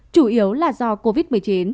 chủ yếu là do covid một mươi chín